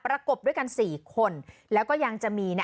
กบด้วยกัน๔คนแล้วก็ยังจะมี